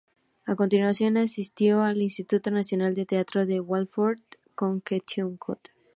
A continuación, asistió al Instituto Nacional de Teatro en Waterford, Connecticut.